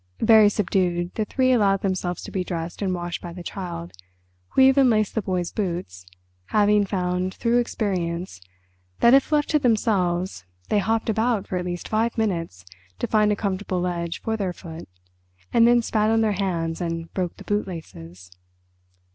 Very subdued, the three allowed themselves to be dressed and washed by the Child, who even laced the boys' boots, having found through experience that if left to themselves they hopped about for at least five minutes to find a comfortable ledge for their foot, and then spat on their hands and broke the bootlaces.